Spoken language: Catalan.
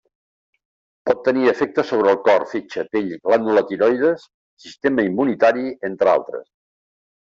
Pot tenir efectes sobre el cor, fetge, pell, glàndula tiroides, sistema immunitari, entre altres.